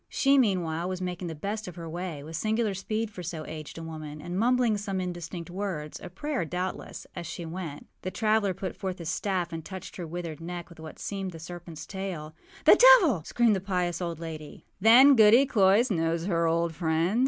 She, meanwhile, was making the best of her way, with singular speed for so aged a woman, and mumbling some indistinct wordsâa prayer, doubtlessâas she went. The traveller put forth his staff and touched her withered neck with what seemed the serpentâs tail. âThe devil!â screamed the pious old lady. âThen Goody Cloyse knows her old friend?